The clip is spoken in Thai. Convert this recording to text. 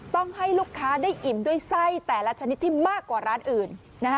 ต้องให้ลูกค้าได้อิ่มด้วยไส้แต่ละชนิดที่มากกว่าร้านอื่น